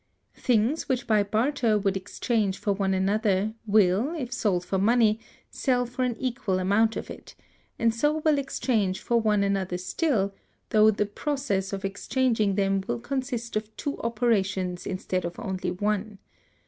Things which by barter would exchange for one another will, if sold for money, sell for an equal amount of it, and so will exchange for one another still, though the process of exchanging them will consist of two operations instead of only one.